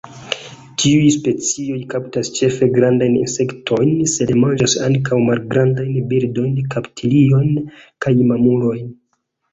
Tiuj specioj kaptas ĉefe grandajn insektojn, sed manĝas ankaŭ malgrandajn birdojn, reptiliojn kaj mamulojn.